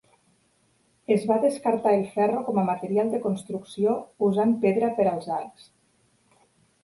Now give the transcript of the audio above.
Es va descartar el ferro com a material de construcció usant pedra per als arcs.